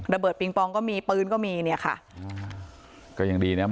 ระเบิดปิงปองก็มีปืนก็มีเนี้ยค่ะก็ยังดีนะครับ